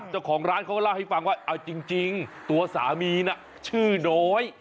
เจ้าของร้านเขาก็เล่าให้ฟังว่าเอาจริงตัวสามีน่ะชื่อน้อย